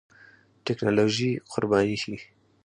ټېکنالوژي قرباني شي.